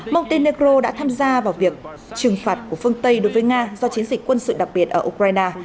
motinea đã tham gia vào việc trừng phạt của phương tây đối với nga do chiến dịch quân sự đặc biệt ở ukraine